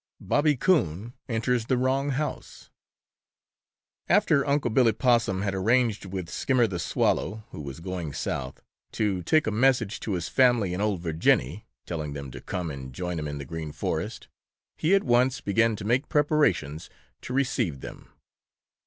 IV BOBBY COON ENTERS THE WRONG HOUSE After Unc' Billy Possum had arranged with Skimmer the Swallow, who was going South, to take a message to his family in "Ol' Virginny," telling them to come and join him in the Green Forest, he at once began to make preparations to receive them.